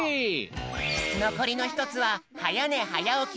のこりの１つは「はやねはやおき」で４い。